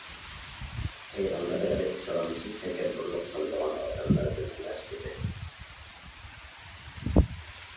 پەيغەمبەر ئەلەيھىسسالام: سىز تەكەببۇرلۇق قىلىدىغان ئادەملەردىن ئەمەس، دېدى.